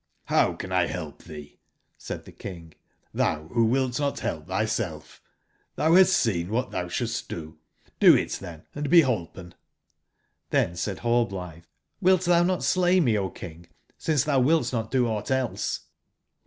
j^ "Row can 1 help thee," said the King, "thou who wilt not help thyself? r^hou hast seen what thou shouldst do: do it then and be holpen"j^irhen said Rallblithe: "^ilt thou not slay me, O King, since thou wilt not do aught else?"